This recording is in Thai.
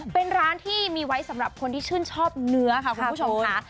เป็นร้านที่มีไว้สำหรับคนที่ชื่นชอบเนื้อค่ะคุณผู้ชมค่ะ